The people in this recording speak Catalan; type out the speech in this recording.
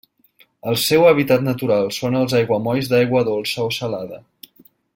El seu hàbitat natural són els aiguamolls d'aigua dolça o salada.